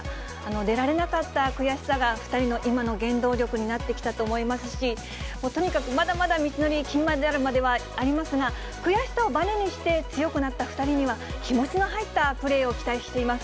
出られなかった悔しさが、２人の今の原動力になってきたと思いますし、とにかくまだまだ道のり、金メダルまではありますが、悔しさをばねにして強くなった２人には、気持ちの入ったプレーを期待しています。